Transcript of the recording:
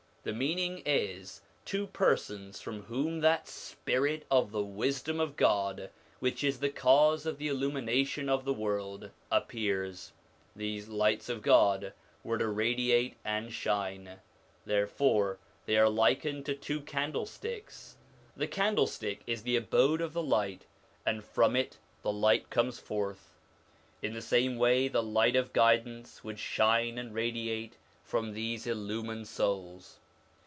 The meaning is two persons from whom that spirit of the wisdom of God, which is the cause of the illumination of the world, appears; these lights of God were to radiate and shine, therefore they are likened to two candlesticks : the candlestick is the abode of the light, and from it the light shines forth. In the same way the light of guidance would shine and radiate from these illumined souls.